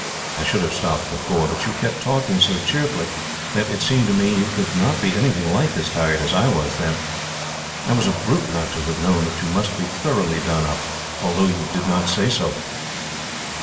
I should have stopped before, but you kept talking so cheerfully that, it seemed to me, you could not be anything like as tired as I was, then. I was a brute not to have known that you must be thoroughly done up, although you did not say so.